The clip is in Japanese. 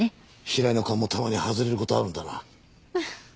平井の勘もたまには外れる事あるんだな。